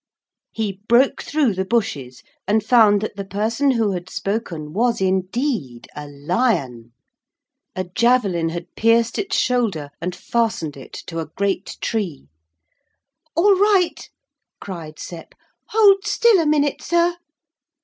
He broke through the bushes and found that the person who had spoken was indeed a lion. A javelin had pierced its shoulder and fastened it to a great tree. 'All right,' cried Sep, 'hold still a minute, sir.'